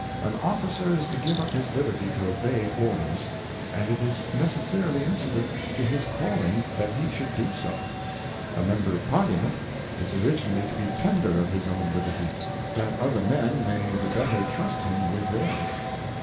An OflBcer is to give up his Liberty to obey Orders ; and it is necessarily incident to his Calling that he should do so, A 3Iembers in Parliament. 163 A Member of Parliament is originally to be tender of his own Liberty^ that other Men may the better trust him with theirs.